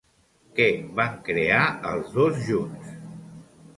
Què van crear els dos junts?